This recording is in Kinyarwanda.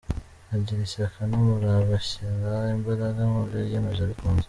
Agira ishyaka n’umurava, ashyira imbaraga mubyo yiyemeje abikunze.